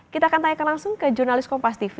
kita akan tanyakan langsung ke jurnalis kompas tv